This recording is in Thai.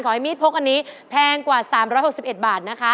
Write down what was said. ให้มีดพกอันนี้แพงกว่า๓๖๑บาทนะคะ